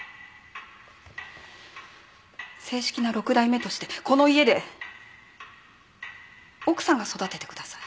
正式な６代目としてこの家で奥さんが育ててください。